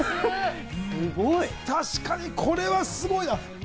確かに、これはすごいわ。